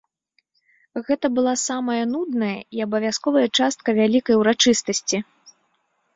Гэта была самая нудная і абавязковая частка вялікай урачыстасці.